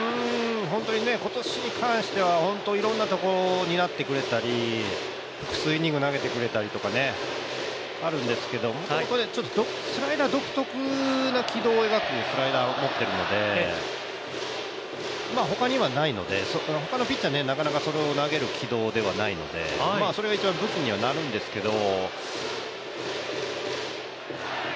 本当に今年に関してはいろんなところをになってくれたり、数イニング投げてくれたりとかあるんですけど独特の軌道を描くスライダーを持っているので他にはないので、他のピッチャーがなかなか投げる軌道ではないのでそれが一番武器にはなるんですけど。